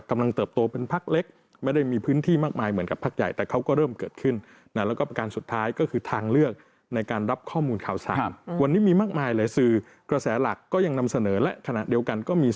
กำลังเติบโตเป็นพักเล็ก